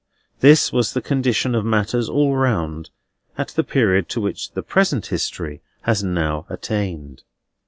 This was the condition of matters, all round, at the period to which the present history has now attained.